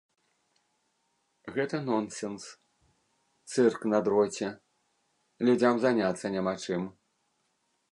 Гэта нонсенс, цырк на дроце, людзям заняцца няма чым!